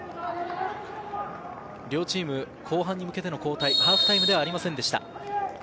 両チーム、後半に向けての交代、ハーフタイムではありませんでした。